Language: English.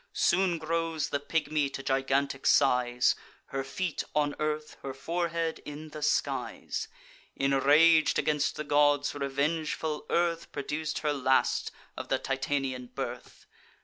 Soon grows the pigmy to gigantic size; Her feet on earth, her forehead in the skies. Inrag'd against the gods, revengeful Earth Produc'd her last of the Titanian birth.